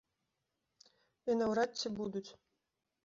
І наўрад ці будуць.